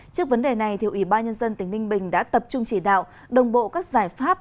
trước vấn đề này ủy ban nhân dân tỉnh ninh bình đã tập trung chỉ đạo đồng bộ các giải pháp